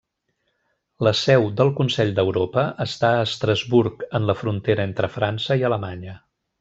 La seu del Consell d'Europa està a Estrasburg, en la frontera entre França i Alemanya.